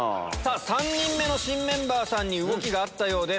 ３人目の新メンバーさんに動きがあったようです。